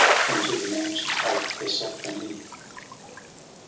Came to the mansion of Persephone.